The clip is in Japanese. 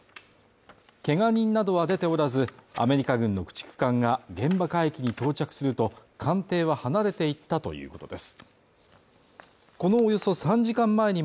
けが人などは出ておらず、アメリカ軍の駆逐艦が現場海域に到着すると艦艇は離れていったということです。